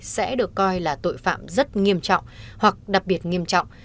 sẽ được coi là tội phạm rất nghiêm trọng hoặc đặc biệt nghiêm trọng